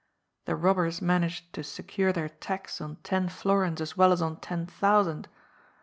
The robbers manage to secure their tax on ten florins as well as on ten thousand.